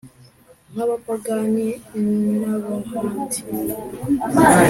nk'abapagani n'ab'ahandi